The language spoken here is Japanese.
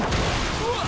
うわっ！